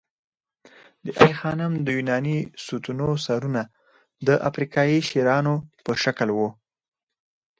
د آی خانم د یوناني ستونو سرونه د افریقايي شیرانو په شکل وو